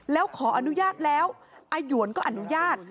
แล้วขออนุญาตแล้วอาหยวนก็อนุญาต